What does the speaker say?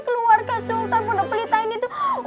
keluarga sultan bonapelita ini tuh